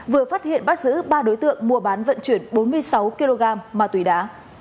vừa phát hiện bắt giữ ba đối tượng mua bán vận chuyển bốn mươi sáu kg ma túy đá